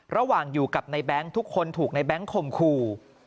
ระหว่างอยู่กับในแบงค์ทุกคนถูกในแบงค์ข่มขู่